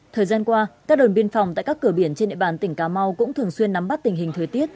thời gian qua các đồn biên phòng tại các cửa biển trên địa bàn tỉnh cà mau cũng thường xuyên nắm bắt tình hình thời tiết